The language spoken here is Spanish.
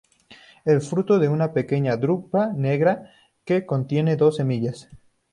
El fruto es una pequeña drupa negra que contiene dos semillas.